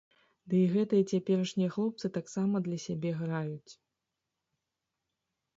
Ды і гэтыя цяперашнія хлопцы таксама для сябе граюць.